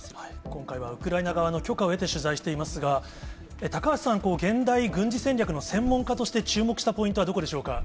今回はウクライナ側の許可を得て取材していますが、高橋さん、現代軍事戦略の専門家として、注目したポイントはどこでしょうか。